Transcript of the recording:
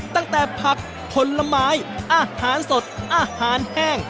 ตั้งแต่ผักผลไม้อาหารสดอาหารแห้ง